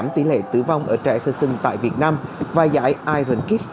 ngoài ra giảm tỷ lệ tử vong ở trẻ sơ sưng tại việt nam và giải iron kiss